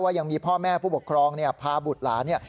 ว่ายังมีพ่อแม่ผู้บกครองพาบุตรหลานี่